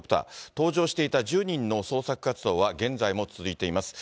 搭乗していた１０人の捜索活動は現在も続いています。